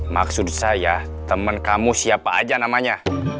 maksud saya temen kamu siapa aja namanya